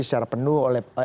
secara penuh oleh